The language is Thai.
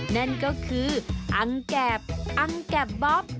นั่นก็คืออังแกบอังแกบบ๊อบ